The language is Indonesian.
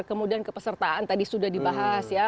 kemudian kepesertaan tadi sudah dibahas ya